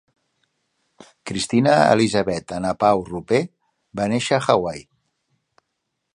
Kristina Elizabeth Anapau Roper va néixer a Hawaii.